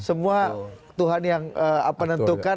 semua tuhan yang penentukan